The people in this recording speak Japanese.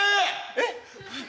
えっ？